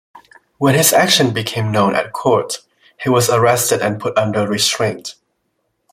When his action became known at court, he was arrested and put under restraint.